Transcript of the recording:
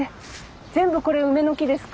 全部これ梅の木ですか？